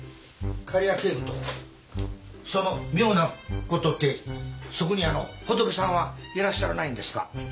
その妙なことってそこにホトケさんはいらっしゃらないんですか？